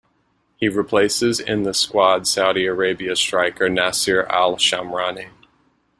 He replaces in the squad Saudi Arabia striker Nasser Al-Shamrani.